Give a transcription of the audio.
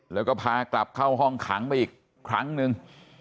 แล้วก็พากลับเข้าห้องขังไปอีกครั้งหนึ่ง